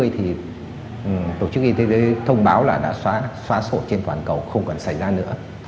thì tổ chức y tế đấy thông báo là đã xóa sổ trên toàn cầu không còn xảy ra nữa